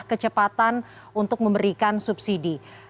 kecepatan untuk memberikan subsidi